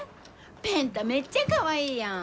ペン太めっちゃかわいいやん！